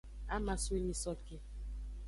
Ama so nyisoke.